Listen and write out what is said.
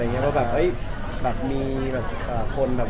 มันก็คล้ำดีครับผม